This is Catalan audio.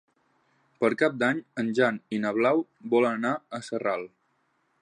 Per Cap d'Any en Jan i na Blau volen anar a Sarral.